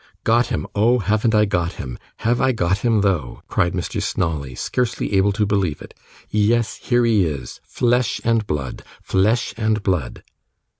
'Got him! Oh, haven't I got him! Have I got him, though?' cried Mr Snawley, scarcely able to believe it. 'Yes, here he is, flesh and blood, flesh and blood.